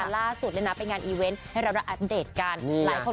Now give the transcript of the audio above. ล่าสุดไปงานอีเวนท์ให้เรารอดดระดาษกัน